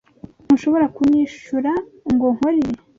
Ntushobora kunyishyura ngo nkore ibi.